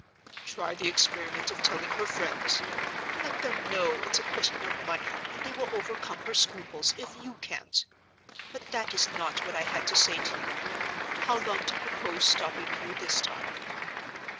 "Try the experiment of telling her friends. Let them know it's a question of money, and they will overcome her scruples, if you can't. But that is not what I had to say to you. How long do you propose stopping here this time?"